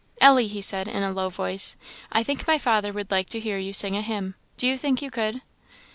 "Ellie," he said, in a low voice, "I think my father would like to hear you sing a hymn do you think you could?"